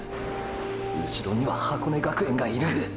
うしろには箱根学園がいる！！